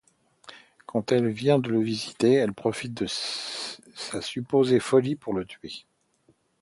Quand elle vient le visiter, il profite de sa supposée folie pour la tuer.